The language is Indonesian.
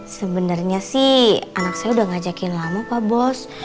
sebenernya sih anak saya udah ngajakin lama pak bos